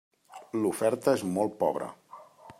L'oferta és molt pobra.